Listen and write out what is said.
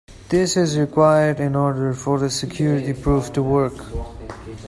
This is required in order for the security proof to work.